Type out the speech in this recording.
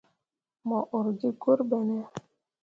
Mo ur gi gur ɓene ?